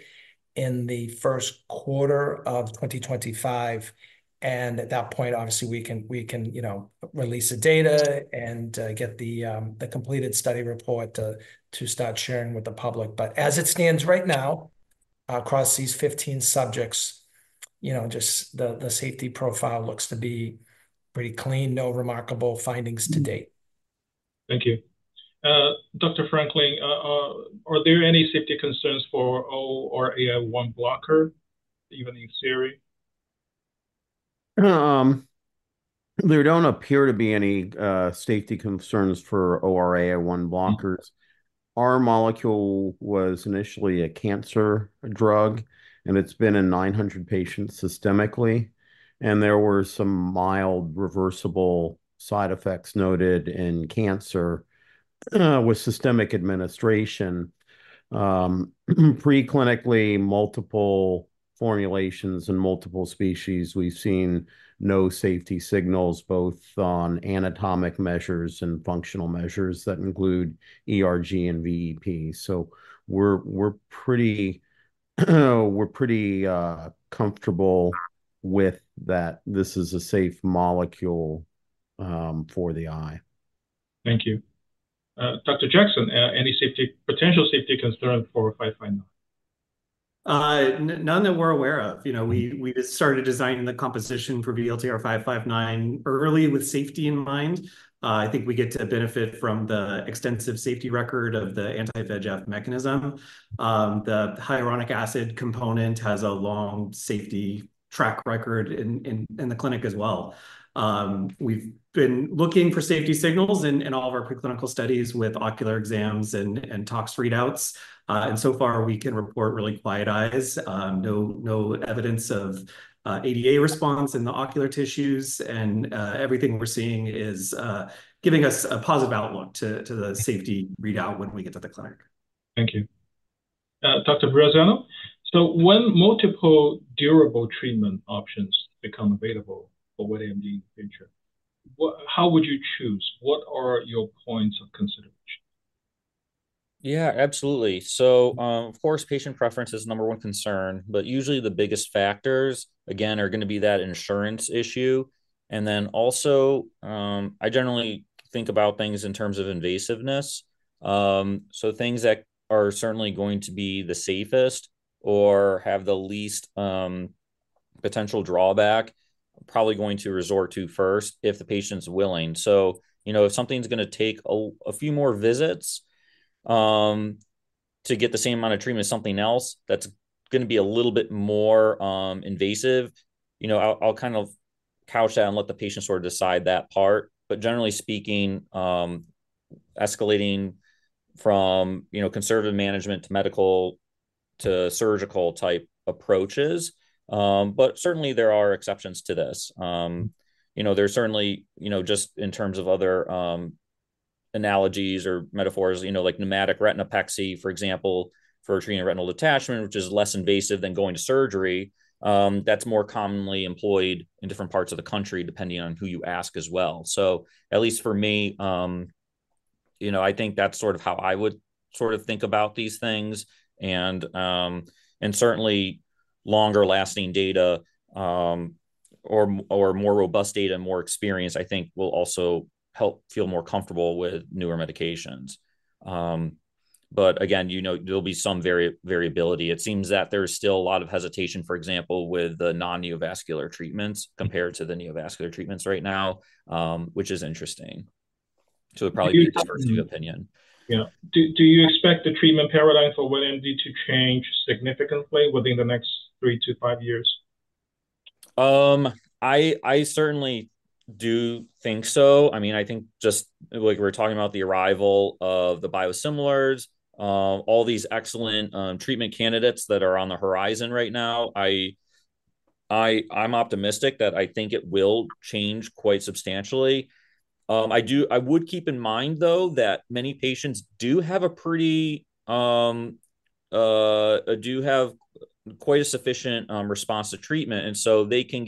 in the first quarter of 2025, and at that point, obviously, we can, you know, release the data and get the completed study report to start sharing with the public. But as it stands right now, across these 15 subjects, you know, just the safety profile looks to be pretty clean. No remarkable findings to date. Thank you. Dr. Franklin, are there any safety concerns for or ORAI1 blocker, even in theory? There don't appear to be any safety concerns for ORAI1 blockers. Our molecule was initially a cancer drug, and it's been in 900 patients systemically, and there were some mild reversible side effects noted in cancer with systemic administration. Pre-clinically, multiple formulations in multiple species, we've seen no safety signals, both on anatomic measures and functional measures that include ERG and VEP. So we're pretty comfortable with that this is a safe molecule for the eye. Thank you. Dr. Jackson, any potential safety concern for 559? None that we're aware of. You know, we just started designing the composition for VLTR-559 early with safety in mind. I think we get to benefit from the extensive safety record of the anti-VEGF mechanism. The hyaluronic acid component has a long safety track record in the clinic as well. We've been looking for safety signals in all of our preclinical studies with ocular exams and tox readouts. And so far, we can report really quiet eyes, no evidence of ADA response in the ocular tissues. And everything we're seeing is giving us a positive outlook to the safety readout when we get to the clinic. Thank you. Dr. Breazzano, so when multiple durable treatment options become available for wet AMD in the future, what, how would you choose? What are your points of consideration? Yeah, absolutely. So, of course, patient preference is number one concern, but usually, the biggest factors, again, are gonna be that insurance issue. And then also, I generally think about things in terms of invasiveness. So, things that are certainly going to be the safest or have the least potential drawback, probably going to resort to first if the patient's willing. So, you know, if something's gonna take a few more visits to get the same amount of treatment as something else, that's gonna be a little bit more invasive. You know, I'll kind of couch that and let the patient sort of decide that part. But generally speaking, escalating from, you know, conservative management to surgical type approaches. But certainly there are exceptions to this. You know, there's certainly, you know, just in terms of other, analogies or metaphors, you know, like pneumatic retinopexy, for example, for treating a retinal detachment, which is less invasive than going to surgery, that's more commonly employed in different parts of the country, depending on who you ask as well. So at least for me, you know, I think that's sort of how I would sort of think about these things. And certainly, longer-lasting data, or more robust data, more experience, I think will also help feel more comfortable with newer medications. But again, you know, there'll be some variability. It seems that there is still a lot of hesitation, for example, with the non-neovascular treatments compared to the neovascular treatments right now, which is interesting. So it'd probably be a diversity of opinion. Yeah. Do you expect the treatment paradigm for wet AMD to change significantly within the next three to five years? I certainly do think so. I mean, I think just like we're talking about the arrival of the biosimilars, all these excellent treatment candidates that are on the horizon right now, I'm optimistic that I think it will change quite substantially. I would keep in mind, though, that many patients do have quite a sufficient response to treatment, and so they can.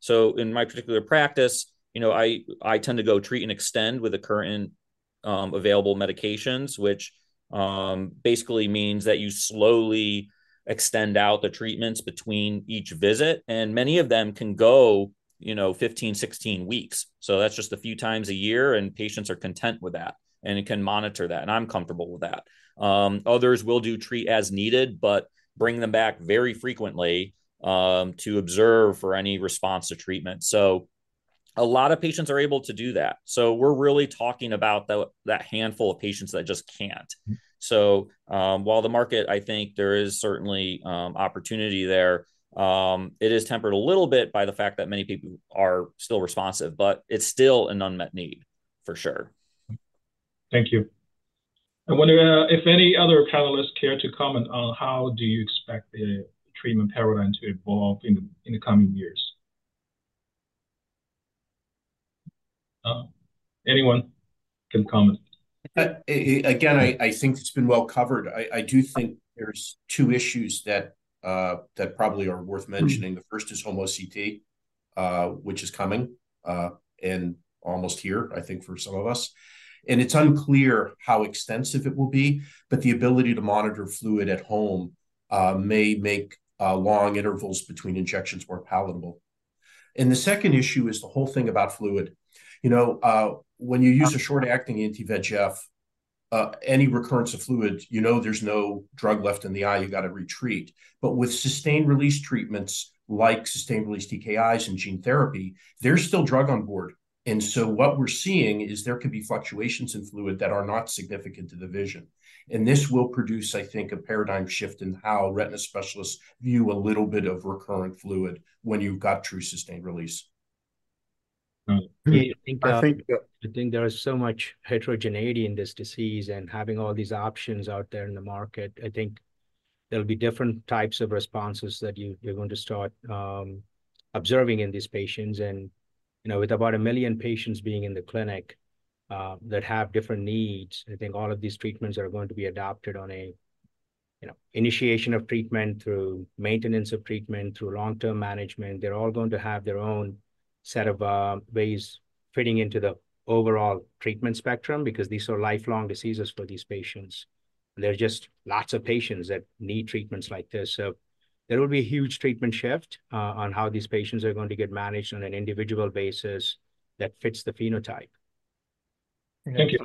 So in my particular practice, you know, I tend to go treat and extend with the current available medications, which basically means that you slowly extend out the treatments between each visit, and many of them can go, you know, 15, 16 weeks. So that's just a few times a year, and patients are content with that, and it can monitor that, and I'm comfortable with that. Others will do treat as needed, but bring them back very frequently, to observe for any response to treatment. So a lot of patients are able to do that. So we're really talking about the, that handful of patients that just can't. So, while the market, I think there is certainly, opportunity there, it is tempered a little bit by the fact that many people are still responsive, but it's still an unmet need, for sure. Thank you. I wonder if any other panelists care to comment on how do you expect the treatment paradigm to evolve in the coming years? Anyone can comment. Again, I think it's been well covered. I do think there's two issues that probably are worth mentioning. The first is home OCT, which is coming and almost here, I think, for some of us. And it's unclear how extensive it will be, but the ability to monitor fluid at home may make long intervals between injections more palatable. And the second issue is the whole thing about fluid. You know, when you use a short-acting anti-VEGF, any recurrence of fluid, you know there's no drug left in the eye, you've got to retreat. But with sustained-release treatments, like sustained-release TKIs and gene therapy, there's still drug on board. And so what we're seeing is there could be fluctuations in fluid that are not significant to the vision, and this will produce, I think, a paradigm shift in how retina specialists view a little bit of recurrent fluid when you've got true sustained release. I think- I think- I think there is so much heterogeneity in this disease and having all these options out there in the market. I think there'll be different types of responses that you're going to start observing in these patients. You know, with about 1 million patients being in the clinic that have different needs, I think all of these treatments are going to be adopted on a, you know, initiation of treatment through maintenance of treatment, through long-term management. They're all going to have their own set of ways fitting into the overall treatment spectrum because these are lifelong diseases for these patients. There are just lots of patients that need treatments like this. So there will be a huge treatment shift on how these patients are going to get managed on an individual basis that fits the phenotype. Thank you.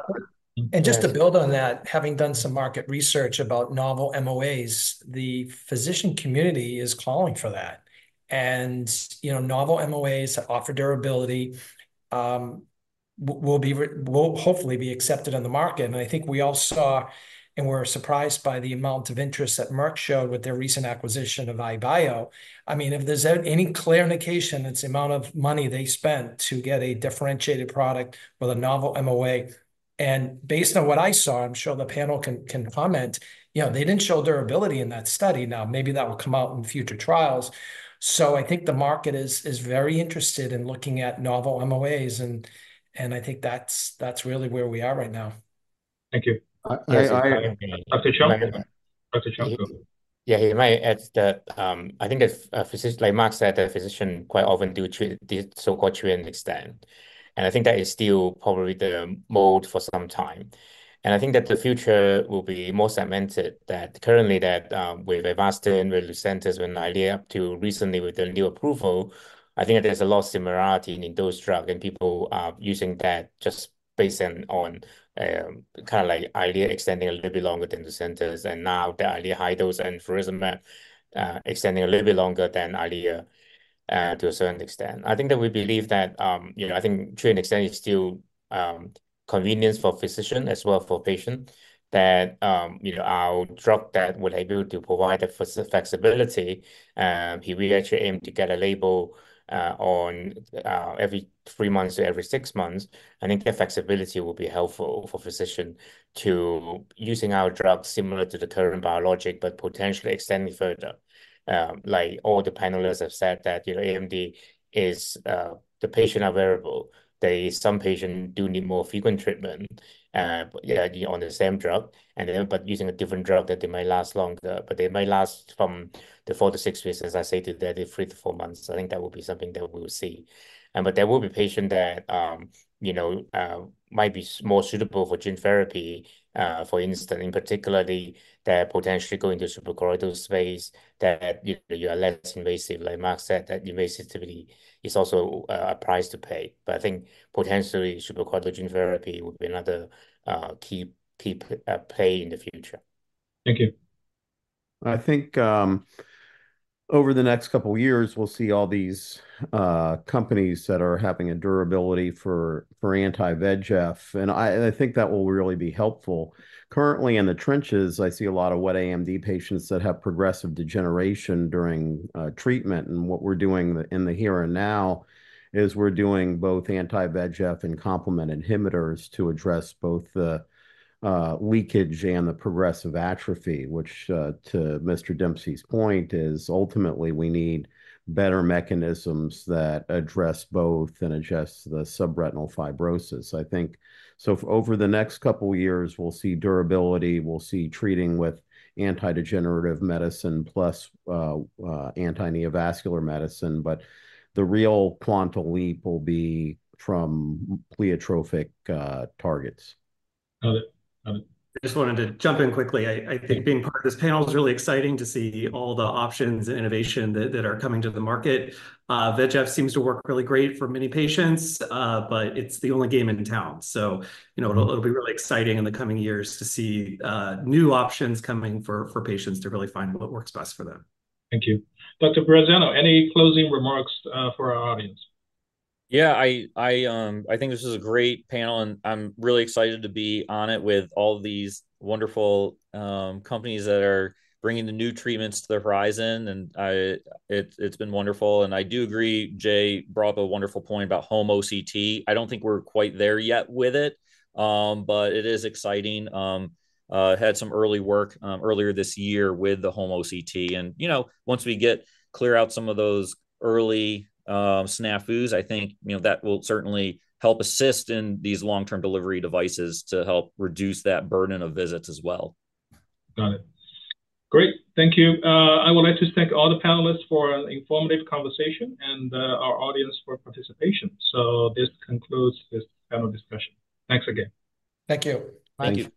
And just to build on that, having done some market research about novel MOAs, the physician community is calling for that. And, you know, novel MOAs offer durability, will hopefully be accepted on the market. And I think we all saw, and we're surprised by the amount of interest that Merck showed with their recent acquisition of EyeBio. I mean, if there's any clear indication, it's the amount of money they spent to get a differentiated product with a novel MOA. And based on what I saw, I'm sure the panel can comment, you know, they didn't show durability in that study. Now, maybe that will come out in future trials. So I think the market is very interested in looking at novel MOAs, and I think that's really where we are right now. Thank you. Dr. Chong? Dr. Chong. Yeah, you may add that. I think if a physician, like Mark said, a physician quite often do treat the so-called treat and extend. I think that is still probably the mode for some time. I think that the future will be more segmented, that currently with Avastin, Lucentis, when Eylea up to recently with the new approval, I think there's a lot of similarity in those drugs and people using that just based on, kind of like Eylea extending a little bit longer than Lucentis, and now the Eylea high dose and faricimab extending a little bit longer than Eylea, to a certain extent. I think that we believe that, you know, I think treat and extend is still convenience for physician as well for patient. That, you know, our drug that we're able to provide a flexibility, we will actually aim to get a label, on, every three months to every six months. I think the flexibility will be helpful for physician to using our drugs similar to the current biologic, but potentially extending further. Like all the panelists have said, that, you know, AMD is, the patient are variable. They, some patients do need more frequent treatment, but yeah, on the same drug, and then, but using a different drug that they may last longer, but they may last from the four to six weeks, as I said, to the three to four months. I think that would be something that we will see. But there will be patient that, you know, might be more suitable for gene therapy, for instance, in particularly, they're potentially going to suprachoroidal space, that, you know, you are less invasive. Like Mark said, that invasivity is also, a price to pay. But I think potentially, suprachoroidal gene therapy would be another, key, key, play in the future. Thank you.... I think, over the next couple years, we'll see all these, companies that are having a durability for, for anti-VEGF, and I, and I think that will really be helpful. Currently, in the trenches, I see a lot of wet AMD patients that have progressive degeneration during, treatment, and what we're doing in the here and now is we're doing both anti-VEGF and complement inhibitors to address both the, leakage and the progressive atrophy, which, to Mr. Dempsey's point, is ultimately we need better mechanisms that address both and address the subretinal fibrosis. I think. So over the next couple years, we'll see durability, we'll see treating with anti-degenerative medicine, plus, anti-neovascular medicine, but the real quantum leap will be from pleiotropic, targets. Got it. Got it. I just wanted to jump in quickly. I think being part of this panel is really exciting to see all the options and innovation that are coming to the market. VEGF seems to work really great for many patients, but it's the only game in town. So, you know, it'll be really exciting in the coming years to see new options coming for patients to really find what works best for them. Thank you. Dr. Breazzano, any closing remarks for our audience? Yeah, I think this is a great panel, and I'm really excited to be on it with all these wonderful companies that are bringing the new treatments to the horizon, and I... It's been wonderful, and I do agree, Jay brought up a wonderful point about home OCT. I don't think we're quite there yet with it, but it is exciting. Had some early work earlier this year with the home OCT, and, you know, once we get clear out some of those early snafus, I think, you know, that will certainly help assist in these long-term delivery devices to help reduce that burden of visits as well. Got it. Great! Thank you. I would like to thank all the panelists for an informative conversation and, our audience for participation. This concludes this panel discussion. Thanks again. Thank you. Thank you. Thank you.